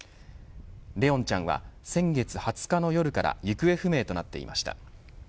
怜音ちゃんは先月２０日の夜から行方不明となっていました。